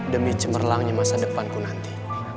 demi cemerlangnya masa depanku nanti